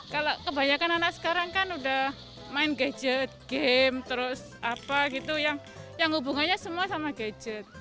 kalau kebanyakan anak sekarang kan udah main gadget game terus apa gitu yang hubungannya semua sama gadget